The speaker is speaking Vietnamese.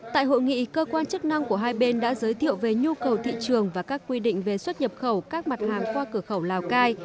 tại hội nghị cơ quan chức năng của hai bên đã giới thiệu về nhu cầu thị trường và các quy định về xuất nhập khẩu các mặt hàng qua cửa khẩu lào cai